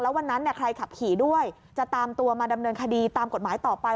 วันนั้นใครขับขี่ด้วยจะตามตัวมาดำเนินคดีตามกฎหมายต่อไป